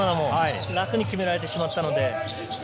楽に決められてしまったので。